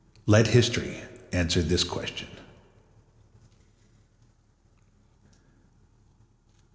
Let history answer this question.